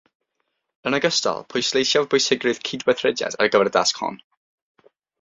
Yn ogystal, pwysleisiaf bwysigrwydd cydweithrediad ar gyfer y dasg hon